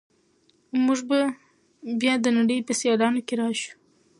موږ به بیا د نړۍ په سیالانو کې راشو.